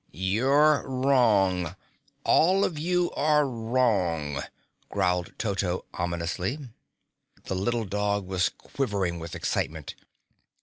"You're wrong all of you are wrong," growled Toto ominously. The little dog was quivering with excitement.